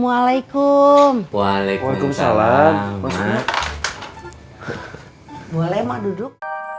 boleh emak duduk